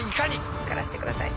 受からせてください。